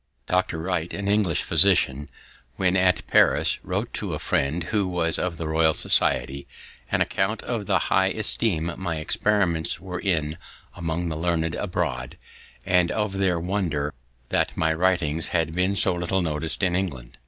Dr. Wright, an English physician, when at Paris, wrote to a friend, who was of the Royal Society, an account of the high esteem my experiments were in among the learned abroad, and of their wonder that my writings had been so little noticed in England.